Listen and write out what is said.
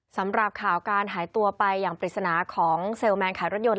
สำหรับข่าวการหายตัวไปอย่างปริศนาของเซลลแมนขายรถยนต